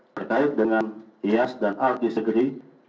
berkait dengan ias dan art desegri